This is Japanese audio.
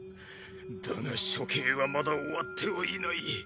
だが処刑はまだ終わってはいない！